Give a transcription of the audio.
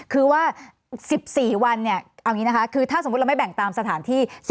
คือว่า๑๔วันเนี่ยเอาอย่างนี้นะคะคือถ้าสมมุติเราไม่แบ่งตามสถานที่